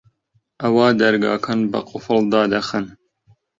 ئەوا دەرگاکان بە قوفڵ دادەخەن